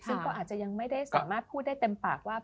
ซึ่งก็อาจจะยังไม่ได้สามารถพูดได้เต็มปากว่า